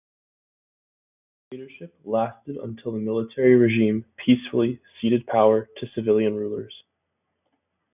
The dictatorship lasted until the military regime peacefully ceded power to civilian rulers.